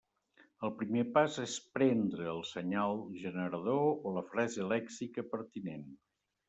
El primer pas és prendre el senyal generador o la frase lèxica pertinent.